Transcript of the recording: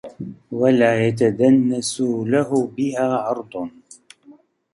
وَلَا يَتَدَنَّسُ لَهُ بِهَا عِرْضٌ